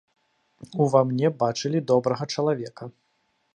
Ува мне бачылі добрага чалавека.